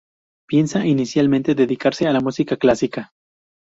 Piensa inicialmente dedicarse a la música clásica.